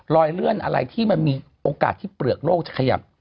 เลื่อนอะไรที่มันมีโอกาสที่เปลือกโลกจะขยับ